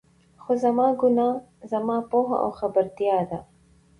خو زما ګناه، زما پوهه او خبرتيا ده.